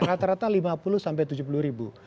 rata rata lima puluh sampai tujuh puluh ribu